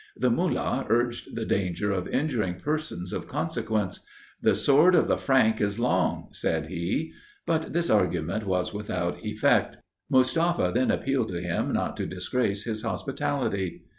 The Mullah urged the danger of injuring persons of consequence. 'The sword of the Frank is long,' said he. But this argument was without effect. Mustafa then appealed to him not to disgrace his hospitality.